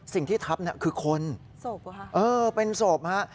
สิ่งที่ทับเนี่ยคือคนโสบหรอครับเออเป็นโสบครับ